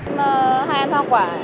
em hay ăn hoa quả